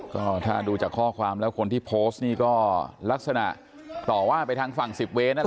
ก็ถ้าดูจากข้อความแล้วคนที่โพสต์นี่ก็ลักษณะต่อว่าไปทางฝั่ง๑๐เว้นนั่นแหละ